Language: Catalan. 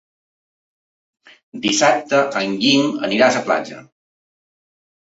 Dissabte en Guim irà a la platja.